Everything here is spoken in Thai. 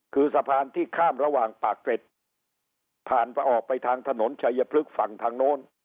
คือสะพานที่ข้ามระหว่างปากเกร็ดผ่านออกไปทางถนนชัยพฤกษ์ฝั่งทางโน้น